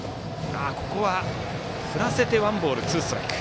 振らせてワンボールツーストライク。